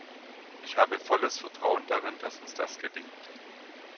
Ich habe volles Vertrauen darin, dass uns das gelingt.